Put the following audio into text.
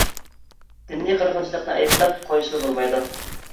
دىنىي قىرغىنچىلىقنى ئەيىبلەپ قويسىلا بولمايدۇ.